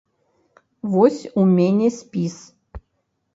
Вось у мене спіс.